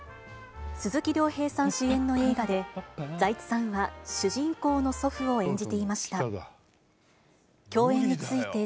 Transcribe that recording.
鈴木亮平さん主演の映画で、財津さんは主人公の祖父を演じていました。